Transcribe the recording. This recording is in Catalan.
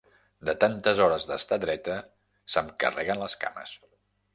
De tantes hores d'estar dreta, se'm carreguen les cames.